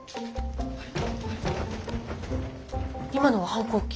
今のは反抗期？